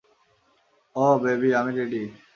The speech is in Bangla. অহ, বেবি, আমি রেডি।